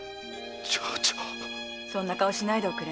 〔そんな顔しないでおくれ。